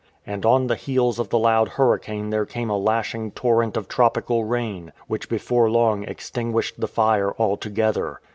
And on the heels of the loud hurricane there came a lashing torrent of tropical rain, which before long extinguished the fire altogether.